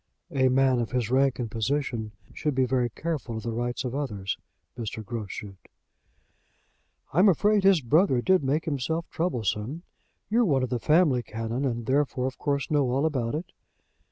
"A man of his rank and position should be very careful of the rights of others, Mr. Groschut." "I'm afraid his brother did make himself troublesome. You're one of the family, Canon, and therefore, of course, know all about it."